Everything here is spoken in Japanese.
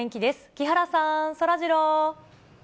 木原さん、そらジロー。